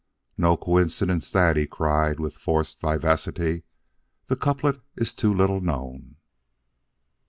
"No coincidence that," he cried, with forced vivacity. "The couplet is too little known."